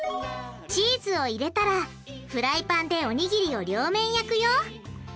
チーズを入れたらフライパンでおにぎりを両面焼くよ。